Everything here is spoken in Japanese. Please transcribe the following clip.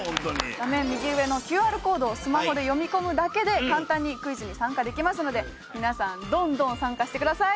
画面右上のＱＲコードをスマホで読み込むだけで簡単にクイズに参加できますので皆さんどんどん参加してください。